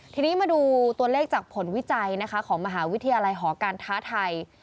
ทีนี้มาดูตัวเลขจากผลวิจัยนะคะของมหาวิทยาลัยหอการค้าไทย